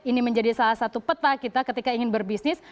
ini menjadi salah satu peta kita ketika ingin berbisnis